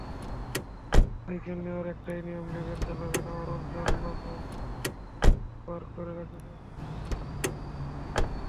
Cycle নেওয়ার একটাই নিয়ম—নেবেন, চালাবেন আবার অন্য বিল্ডিংয়ের সামনে পার্ক করে রাখবেন।